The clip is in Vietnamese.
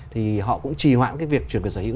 thì họ cũng trì hoãn cái việc chuyển quyền sở hữu